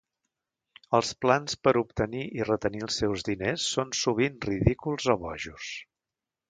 Els plans per obtenir i retenir els seus diners són sovint ridículs o bojos.